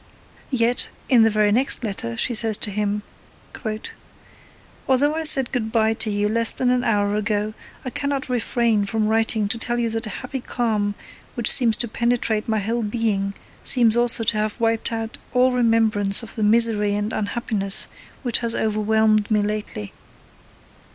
Yet, in the very next letter, she says to him: Although I said good bye to you less than an hour ago, I cannot refrain from writing to tell you that a happy calm which seems to penetrate my whole being seems also to have wiped out all remembrance of the misery and unhappiness which has overwhelmed me lately.